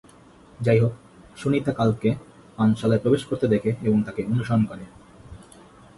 যাইহোক, সুনিতা কার্লকে পানশালায় প্রবেশ করতে দেখে এবং তাকে অনুসরণ করে।